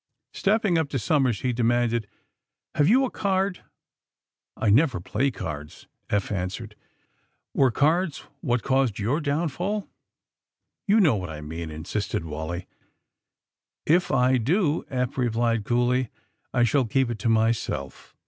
Stepping up to Somers he demanded :'' Have you a card !'' *^I never play cards, '^ Eph answered. Were cards what caused your downfall f '' *^You know what I mean!" insisted Wally. '^If I do," Eph replied coolly, I shall keep it to myself.